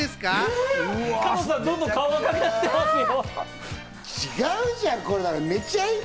加藤さん、どんどん顔が赤くなってますよ。